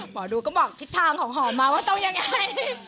หมอดูก็บอกทิศทางของหอมมาว่าต้องยังไง